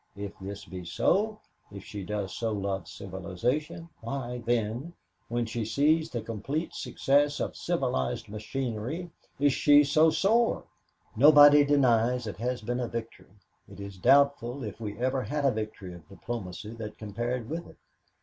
If this be so if she does so love civilization, why then, when she sees the complete success of civilized machinery, is she so sore? "Nobody denies that it has been a victory. It is doubtful if we have ever had a victory of diplomacy that compared with it.